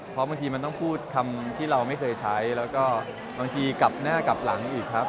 เพราะบางทีมันต้องพูดคำที่เราไม่เคยใช้แล้วก็บางทีกลับหน้ากลับหลังอีกครับ